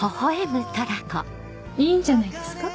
いいんじゃないですか。